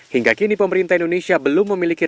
hingga kini pemerintah indonesia belum mencari penyelesaian